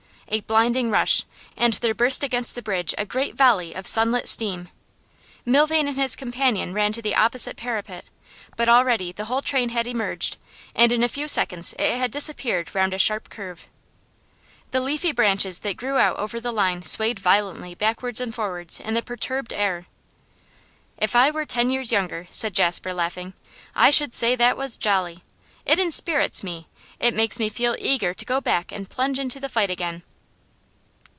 A blinding rush, and there burst against the bridge a great volley of sunlit steam. Milvain and his companion ran to the opposite parapet, but already the whole train had emerged, and in a few seconds it had disappeared round a sharp curve. The leafy branches that grew out over the line swayed violently backwards and forwards in the perturbed air. 'If I were ten years younger,' said Jasper, laughing, 'I should say that was jolly! It enspirits me. It makes me feel eager to go back and plunge into the fight again.